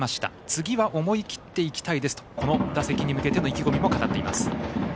次は思い切っていきたいですとこの打席に向けての意気込みも語っています。